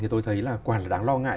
thì tôi thấy là quả là đáng lo ngại